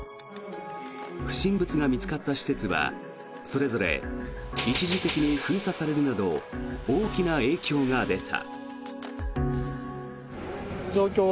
不審物が見つかった施設はそれぞれ一時的に封鎖されるなど大きな影響が出た。